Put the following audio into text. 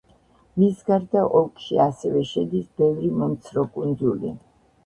მის გარდა ოლქში ასევე შედის ბევრი მომცრო კუნძული.